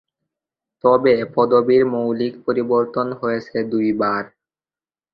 তবে পদবীর মৌলিক পরিবর্তন হয়েছে দুইবার।